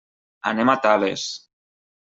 Anem a Tales.